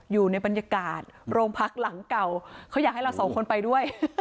อยู่ในบรรยากาศโรงพักหลังเก่าเขาอยากให้เราสองคนไปด้วย